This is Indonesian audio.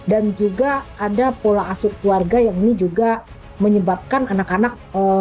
dan juga ada pola asuk keluarga yang ini juga menyebabkan anak anak